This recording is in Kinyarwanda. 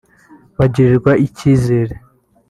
bagirirwa icyizere